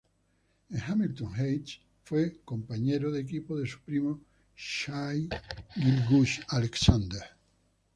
En Hamilton Heights, fue compañero de equipo de su primo Shai Gilgeous-Alexander.